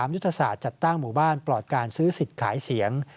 ยุทธศาสตร์จัดตั้งหมู่บ้านปลอดการซื้อสิทธิ์ขายเสียง